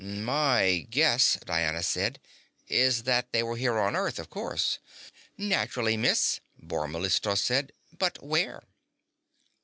"My guess," Diana said, "is that they were here on Earth, of course." "Naturally, miss," Bor Mellistos said. "But where?"